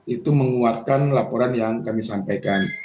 itu menguatkan laporan yang kami sampaikan